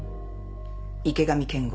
池上健吾。